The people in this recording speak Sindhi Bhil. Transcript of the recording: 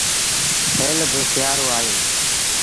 هيل با سيٚآرو آيو